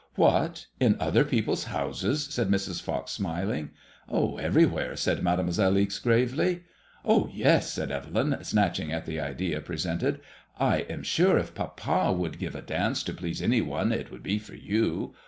" What, in other people's houses?" said Mrs. Pox, smiling. " Everywhere," said Made moiselle Ixe, gravely. " Oh, yes !" said Evelyn, snatching at the idea presented. And I am sure if papa would give a dance to please any one, it would be for you.